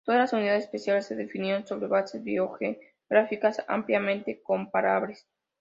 Todas las unidades espaciales se definieron sobre bases biogeográficas ampliamente comparables.